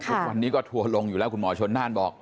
ทุกวันนี้ก็ทัวร์ลงอยู่แล้วคุณหมอชนน่านบอก